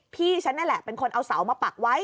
พี่ฉันนี่แหละเป็นคนเอาเสามาปักไว้